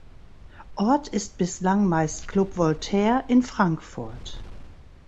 Ort ist bislang meist Club Voltaire in Frankfurt.